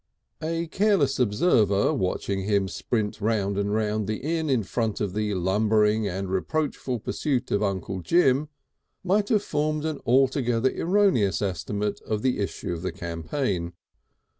A careless observer watching him sprint round and round the inn in front of the lumbering and reproachful pursuit of Uncle Jim might have formed an altogether erroneous estimate of the issue of the campaign.